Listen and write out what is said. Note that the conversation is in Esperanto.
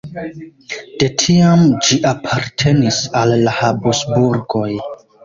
De tiam ĝi apartenis al la Habsburgoj.